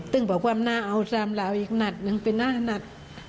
ตึงบอกว่าความน่าเอาสามเหล่าอีกนัดนึงเป็นหน้านัด